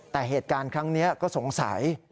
แต่เหตุการณ์ครั้งนี้ก็สงสัย